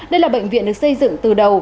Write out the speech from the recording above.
đây là bệnh viện được xây dựng từ đầu